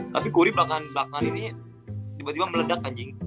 tapi kuri belakangan ini tiba tiba meledak anjing